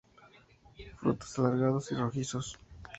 Frutos alargados y rojizos.